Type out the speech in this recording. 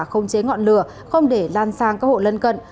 không chế ngọn lửa không để lan sang các hộ lân cận